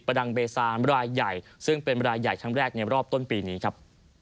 ดังเบซานรายใหญ่ซึ่งเป็นรายใหญ่ครั้งแรกในรอบต้นปีนี้ครับ